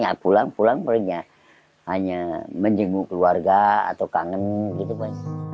ya pulang pulang pulangnya hanya menjenguk keluarga atau kangen gitu